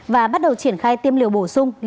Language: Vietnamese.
và bắt đầu triển khai tiêm liều bổ